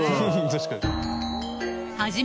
確かに